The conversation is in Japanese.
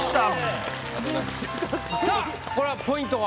さぁこれはポイントは？